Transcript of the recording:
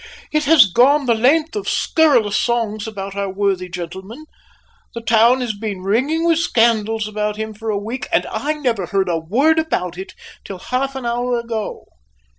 "It has gone the length of scurrilous songs about our worthy gentleman. The town has been ringing with scandals about him for a week, and I never heard a word about it till half an hour ago."